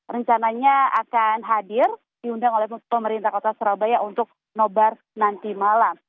rencananya akan hadir diundang oleh pemerintah kota surabaya untuk nobar nanti malam